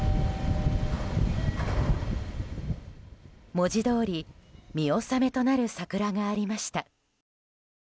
文字どおり見納めとなる桜がありました。